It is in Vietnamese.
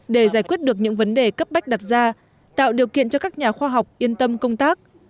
để giải quyết được những vấn đề cấp bách đặt ra tạo điều kiện cho các nhà khoa học yên tâm công tác